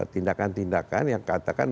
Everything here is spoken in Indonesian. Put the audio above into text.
tindakan tindakan yang katakan